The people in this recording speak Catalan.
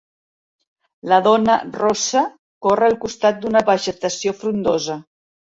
La dona rossa corre al costat d'una vegetació frondosa.